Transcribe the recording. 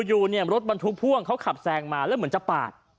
อยู่รถบรรทุกภ่วงเขาขาบแซงมาเหมือนจะปาด